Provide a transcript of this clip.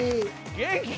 元気。